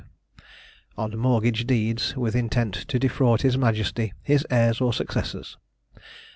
on mortgage deeds, with intent to defraud his Majesty, his heirs, or successors.